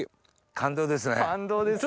感動ですよ。